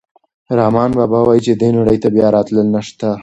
رحمان بابا وايي چې دې نړۍ ته بیا راتلل نشته.